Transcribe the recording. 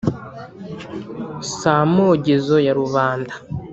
Si amogezo ya rubanda!